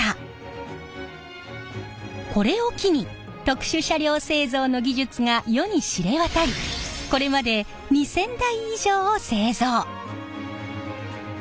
これを機に特殊車両製造の技術が世に知れ渡りこれまで２，０００台以上を製造！